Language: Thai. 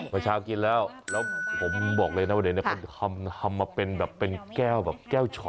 เมื่อเช้ากินแล้วแล้วผมบอกเลยนะว่าเดี๋ยวนี้เขาทำมาเป็นแบบเป็นแก้วแบบแก้วช็อ